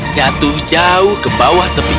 jatuh jauh ke bawah tebing